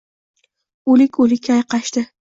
O‘lik-o‘likka ayqashdi